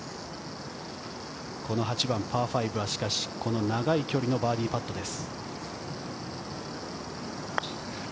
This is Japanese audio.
この８番、パー５はしかし、この長い距離のバーディーパットです。